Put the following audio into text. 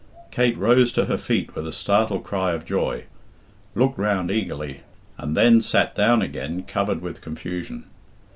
Kate rose to her feet with a startled cry of joy, looked round eagerly, and then sat down again covered with confusion.